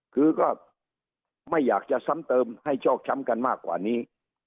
คือก็ไม่อยากจะซ้ำเติมให้โชคช้ำกันมากกว่านี้